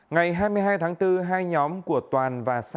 ngày hai mươi hai tháng bốn hai nhóm của toàn và